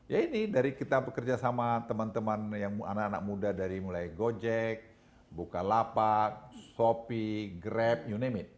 ya ini dari kita bekerja sama teman teman yang anak anak muda dari mulai gojek bukalapak shopee grab yunamid